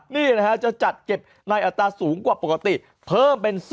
นี่นะฮะจะจัดเก็บในอัตราสูงกว่าปกติเพิ่มเป็น๑๐